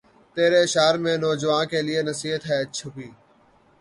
تیرے اشعار میں نوجواں کے لیے نصیحت ھے چھپی